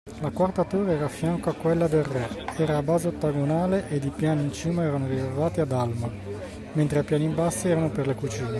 La quarta torre era affianco a quella del re, era a base ottagonale, ed i piani in cima erano riservati a Dalmor, mentre i piani in basso erano per le cucine.